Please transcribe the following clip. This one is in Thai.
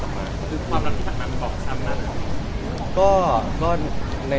คือความรับที่จากนั้นมันบอกช้ำนะ